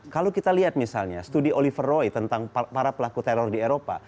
kalau kita lihat misalnya studi oliver roy tentang para pelaku teror di eropa